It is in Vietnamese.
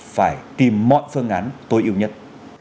phải tìm mọi phương án tối ưu nhất